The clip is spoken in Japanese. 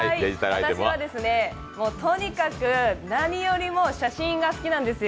私はとにかく何よりも写真が好きなんですよ。